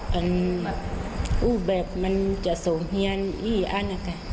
อ๊ระอื่นอุแบบมันจะโหเฮียนอีอันอะก๊ะ